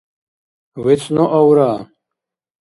вецӀну авра